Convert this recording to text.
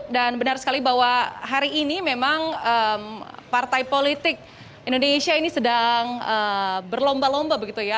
dan benar sekali bahwa hari ini memang partai politik indonesia ini sedang berlomba lomba begitu ya